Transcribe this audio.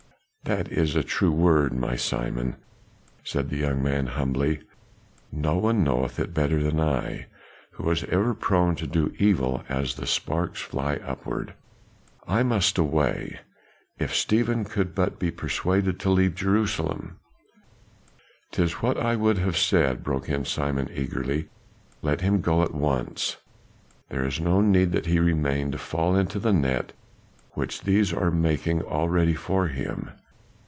"That is a true word, my Simon," said the young man, humbly. "No one knoweth it better than I, who was ever prone to do evil as the sparks fly upward. I must away; if Stephen could but be persuaded to leave Jerusalem " "'Twas what I would have said," broke in Simon, eagerly. "Let him go and at once. There is no need that he remain to fall into the net which these are making ready for him.